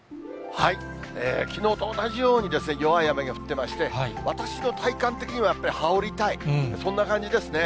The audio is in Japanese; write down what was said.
きのうと同じように、弱い雨が降ってまして、私の体感的にはやっぱり羽織りたい、そんな感じですね。